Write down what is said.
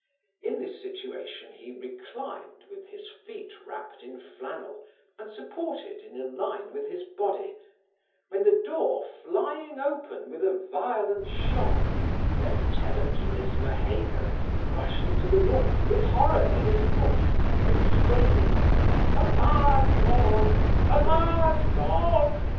In this situation he reclined, with his feet wrapped in flannel, and supported in a line with his body, when the door flying open with a violent shock, lieutenant Lismahago rushed into the room with horror in his looks, exclaiming, 'A mad dog! a mad dog!